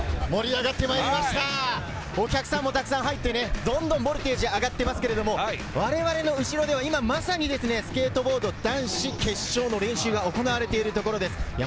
お客さんも入って、どんどんボルテージが上がっていますが、我々の後ろではまさに今、スケートボード男子決勝の練習が行われているところです。